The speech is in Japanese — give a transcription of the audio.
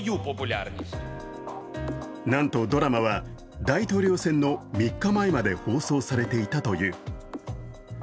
なんとドラマは大統領選の３日前まで放送されていたという。